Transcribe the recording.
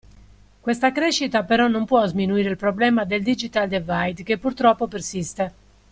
Questa crescita però non può sminuire il problema del "Digital divide" che purtroppo persiste.